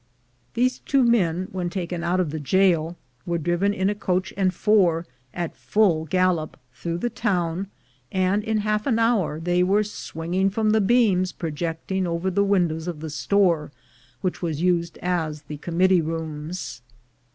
These two men, when taken out of the jail, were driven in a coach and four at full gallop through the town, and in half an hour they were swinging from the beams projecting over the windows of the store which was used as the committee rooms.